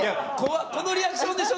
このリアクションでしょ？